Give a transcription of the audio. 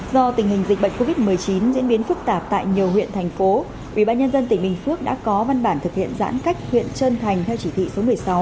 do tình hình dịch bệnh covid một mươi chín diễn biến phức tạp tại nhiều huyện thành phố ubnd tỉnh bình phước đã có văn bản thực hiện giãn cách huyện trân thành theo chỉ thị số một mươi sáu